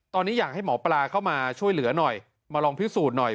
ตอนนี้อยากให้หมอปลาเข้ามาช่วยเหลือหน่อยมาลองพิสูจน์หน่อย